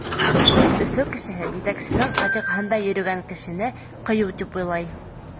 Өфө кешеһе етәксенең фатихаһында йөрөгән кешене ҡыйыу тип уйлай.